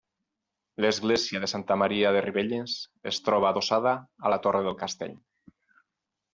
L'església de Santa Maria de Ribelles es troba adossada a la torre del castell.